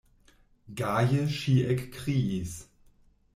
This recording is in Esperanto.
Gaje ŝi ekkriis: